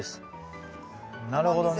なるほどね。